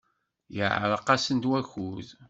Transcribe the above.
Yeɛreq-asent wakud.